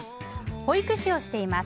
保育士をしています。